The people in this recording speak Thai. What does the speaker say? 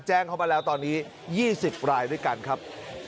แจ้งเข้ามาแล้วตอนนี้๒๐รายด้วยกันครับ